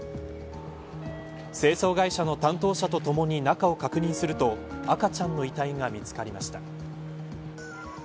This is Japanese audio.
清掃会社の担当者とともに中を確認すると赤ちゃんの遺体が見つかりました。